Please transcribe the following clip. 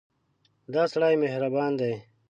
دا سړی مهربان دی.